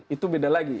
itu beda lagi